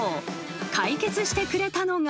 ［解決してくれたのが］